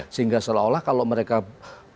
sehingga seolah olah kalau mereka berjuang di jalan ini